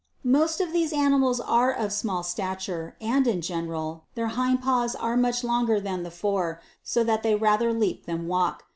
17. Most of these animals are of small stature, and in general, their hind paws are much longer than the fore, so that they rather leap than walk.